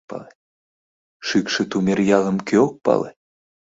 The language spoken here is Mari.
Шӱкшӧ Тумер ялым кӧ ок пале?